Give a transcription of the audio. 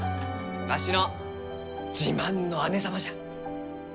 わしの自慢の姉様じゃ。